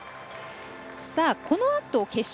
このあと、決勝